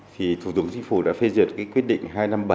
thủ tướng chính phủ đã phê duyệt quyết định hai trăm năm mươi bảy